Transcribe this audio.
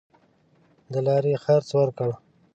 د لاري خرڅ ورکړ.